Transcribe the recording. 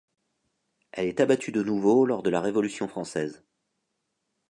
Elle est abattue de nouveau lors de la Révolution française.